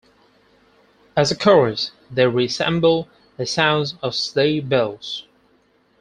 As a chorus, they resemble the sounds of sleigh bells.